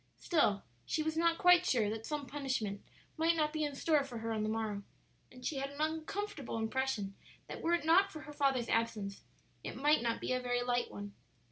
Still she was not quite sure that some punishment might not be in store for her on the morrow. And she had an uncomfortable impression that were it not for her father's absence it might not be a very light one.